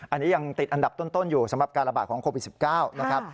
อันนี้ยังติดอันดับต้นอยู่สำหรับการระบาดของโควิด๑๙นะครับ